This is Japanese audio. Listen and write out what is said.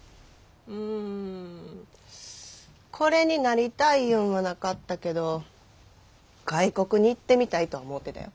うんこれになりたいいうんはなかったけど外国に行ってみたいとは思うてたよ。